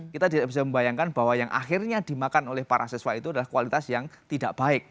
kita tidak bisa membayangkan bahwa yang akhirnya dimakan oleh para siswa itu adalah kualitas yang tidak baik